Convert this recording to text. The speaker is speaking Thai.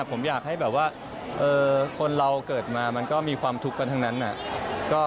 ผมอยากให้แบบว่าคนเราเกิดมามันก็มีความทุกข์กันทั้งนั้น